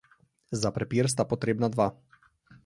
Za prepir sta potrebna dva.